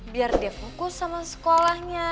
biar dia fokus sama sekolahnya